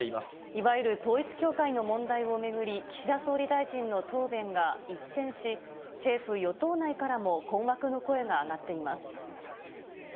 いわゆる統一教会の問題を巡り、岸田総理大臣の答弁が一転し、政府・与党内からも困惑の声が上がっています。